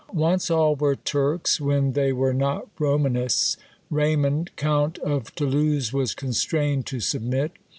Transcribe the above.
Once all were Turks when they were not Romanists. Raymond, Count of Toulouse, was constrained to submit.